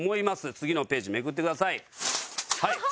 次のページめくってください。